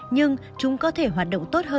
nhưng chúng có thể hoạt động tốt hơn khi kế hoạch